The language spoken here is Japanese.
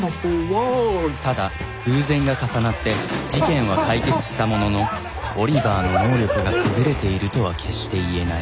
ただ偶然が重なって事件は解決したもののオリバーの能力が優れているとは決して言えない。